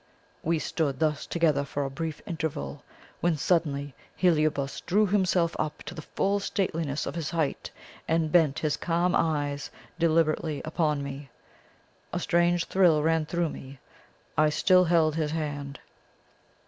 We stood thus together for a brief interval, when suddenly Heliobas drew himself up to the full stateliness of his height and bent his calm eyes deliberately upon me. A strange thrill ran through me; I still held his hand.